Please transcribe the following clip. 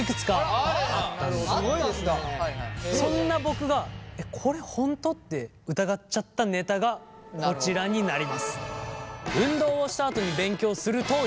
そんな僕がえっこれホント？って疑っちゃったネタがこちらになります。